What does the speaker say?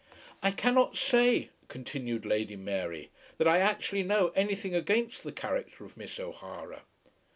"I cannot say," continued Lady Mary, "that I actually know anything against the character of Miss O'Hara.